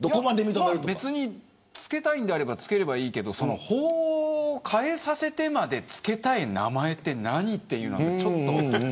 別につけたいのであればつければいいけど法を変えさせてまでつけたい名前って何というのがちょっと。